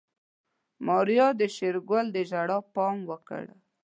ماريا د شېرګل د ژړا پام وکړ.